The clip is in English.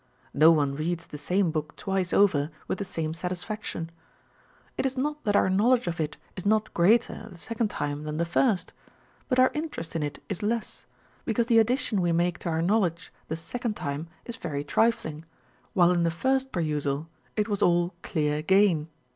No one reads the same book twice over with the same satisfaction. It is not that our knowledge of it is On Novelty and Familiarity. 417 not greater the second time than the first; but our interest in it is less, because the addition we make to our knowledge the second time is very trifling, while in the first perusal it was all clear gain.